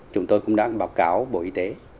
chúng tôi cũng đã báo cáo bộ y tế